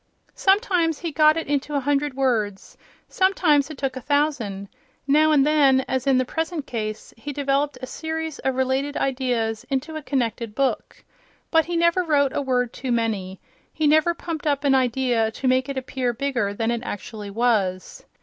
Sometimes he got it into a hundred words; sometimes it took a thousand; now and then, as in the present case, he developed a series of related ideas into a connected book. But he never wrote a word too many. He never pumped up an idea to make it appear bigger than it actually was.